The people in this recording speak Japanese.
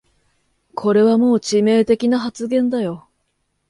これはもう致命的な発言だよ